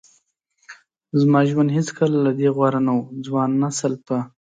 زما ژوند هیڅکله له دې غوره نه و. ځوان نسل په